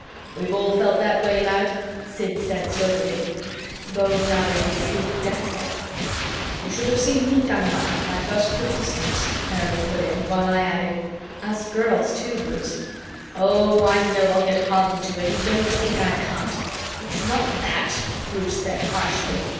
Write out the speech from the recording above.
"We've all felt that way, lad," Sid said soberly; Beau nodded his sleek death's head; "You should have seen me, Kamerad, my first fifty sleeps," Erich put in; while I added, "Us girls, too, Bruce." "Oh, I know I'll get hardened to it, and don't think I can't. It's not that," Bruce said harshly.